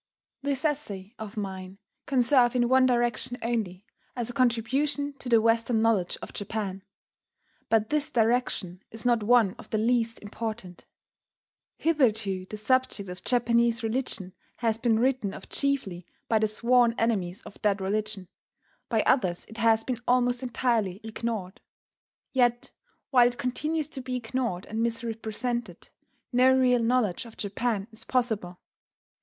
This essay of mine can serve in one direction only as a contribution to the Western knowledge of Japan. But this direction is not one of the least important. Hitherto the subject of Japanese religion has been written of chiefly by the sworn enemies of that religion: by others it has been almost entirely ignored. Yet while it continues to be ignored and misrepresented, no real knowledge of Japan is possible.